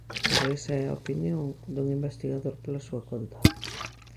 Pero esa é a opinión dun investigador pola súa conta.